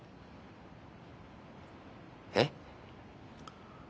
えっ？